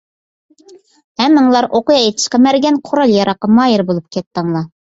ھەممىڭلار ئوقيا ئېتىشقا مەرگەن، قورال - ياراغقا ماھىر بولۇپ كەتتىڭلار.